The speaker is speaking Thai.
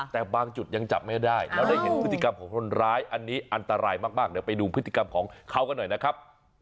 แต่บางจุดยังจับไม่ได้แล้วได้เห็นพฤติกรรมของคนร้ายอันนี้อันตรายมากเดี๋ยวไปดูพฤติกรรมของเขากันหน่อยนะครับ